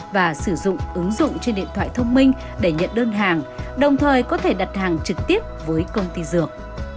và sử dụng ứng dụng trên điện thoại thông minh để nhận đơn hàng đồng thời có thể đặt hàng trực tiếp với công ty dược